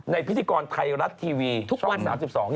ในพิธีกรไทยรัสทีวีช่วง๓๒นาที